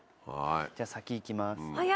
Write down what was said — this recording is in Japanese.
じゃあ先行きます。